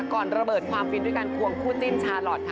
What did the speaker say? ระเบิดความฟินด้วยการควงคู่จิ้นชาลอทค่ะ